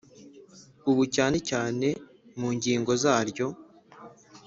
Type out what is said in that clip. ubu cyane cyane mu ngingo zaryo